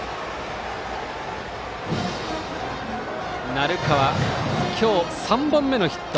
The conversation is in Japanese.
鳴川、今日３本目のヒット。